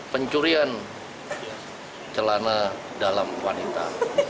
pencurian celana dalam wanita